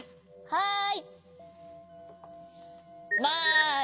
はい！